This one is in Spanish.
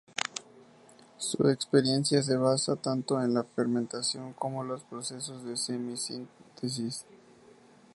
Su experiencia se basa tanto en la fermentación como los procesos de semi-síntesis.